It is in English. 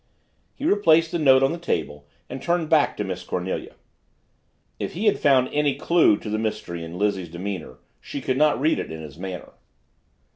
He replaced the note on the table and turned back to Miss Cornelia. If he had found any clue to the mystery in Lizzie's demeanor, she could not read it in his manner.